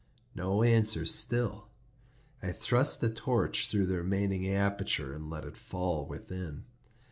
No answer still. I thrust a torch through the remaining aperture and let it fall within.